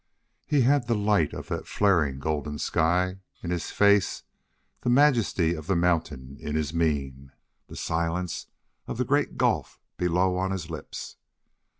He had the light of that flaring golden sky in his face, the majesty of the mountain in his mien, the silence of the great gulf below on his lips.